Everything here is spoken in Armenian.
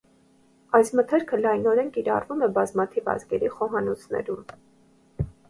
Այս մթերքը լայնորեն կիրառվում է բազմաթիվ ազգերի խոհանոցներում։